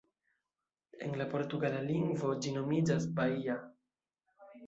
En la portugala lingvo, ĝi nomiĝas "Bahia".